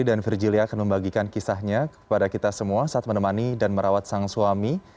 dan virjilia akan membagikan kisahnya kepada kita semua saat menemani dan merawat sang suami